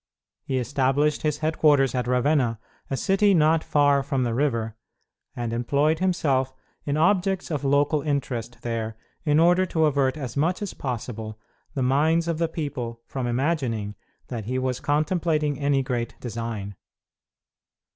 He established his headquarters at Ravenna, a city not far from the river, and employed himself in objects of local interest there in order to avert as much as possible the minds of the people from imagining that he was contemplating any great design.